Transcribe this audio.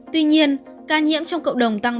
tuy nhiên ca nhiễm trong cộng đồng tăng ba trăm bốn mươi